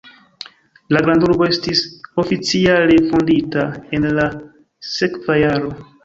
La grandurbo estis oficiale fondita en la sekva jaro.